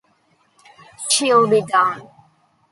She'll be down.